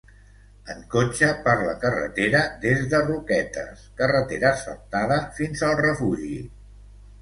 En cotxe per la carretera des de Roquetes, carretera asfaltada fins al refugi.